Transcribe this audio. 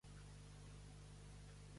A quin lloc va embolicar-la Argos?